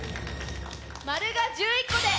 「○」が１１個で。